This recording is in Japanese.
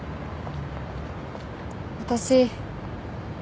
私。